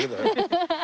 ハハハハ。